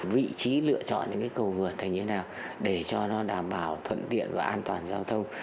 vị trí lựa chọn những cái cầu vượt thành như thế nào để cho nó đảm bảo thuận tiện và an toàn giao thông